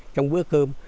trong bữa cơm